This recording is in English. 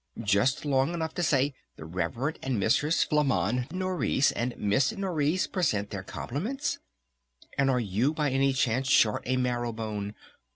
Just long enough to say 'The Rev. and Mrs. Flamande Nourice, and Miss Nourice, present their compliments!' And are you by any chance short a marrow bone?